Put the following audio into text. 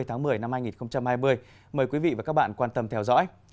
tháng một mươi năm hai nghìn hai mươi mời quý vị và các bạn quan tâm theo dõi